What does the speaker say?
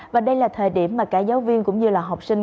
và đây là thời điểm mà cả giáo viên cũng như là học sinh